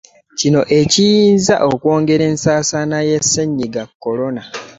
Kino ekiyinza okwongeza ensaasaana ya Ssennyiga Corona.